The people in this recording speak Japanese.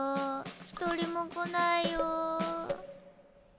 一人も来ないよ。